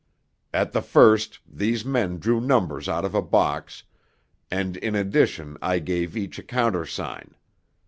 "At the first, these men drew numbers out of a box, and in addition I gave each a countersign.